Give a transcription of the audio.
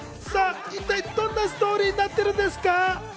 一体どんなストーリーになっているんですか？